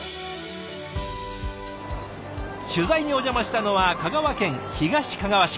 取材にお邪魔したのは香川県東かがわ市。